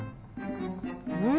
うん。